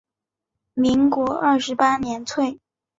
民国二十八年卒。